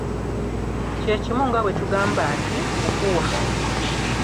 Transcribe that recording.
Kye kimu nga bwe tugamba nti: Kukuwa.